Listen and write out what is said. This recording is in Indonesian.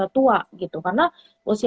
tua gitu karena usia